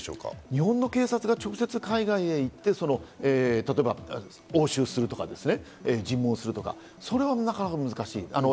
日本の警察が直接海外へ行って押収するとかですね、尋問するとか、それはなかなか難しい。